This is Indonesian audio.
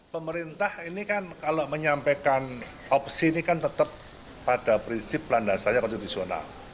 pemerintah ini kan kalau menyampaikan opsi ini kan tetap pada prinsip landasannya konstitusional